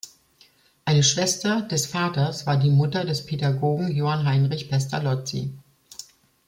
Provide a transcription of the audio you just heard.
Eine Schwester des Vaters war die Mutter des Pädagogen Johann Heinrich Pestalozzi.